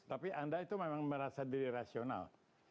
tapi anda itu memang merasa diri rasional